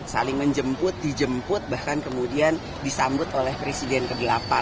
saling menjemput dijemput bahkan kemudian disambut oleh presiden ke delapan